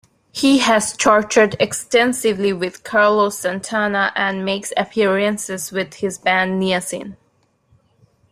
He has toured extensively with Carlos Santana and makes appearances with his band Niacin.